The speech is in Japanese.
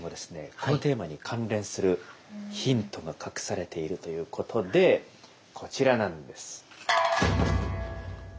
このテーマに関連するヒントが隠されているということでこちらなんです。